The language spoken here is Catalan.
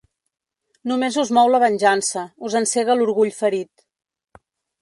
Només us mou la venjança, us encega l’orgull ferit.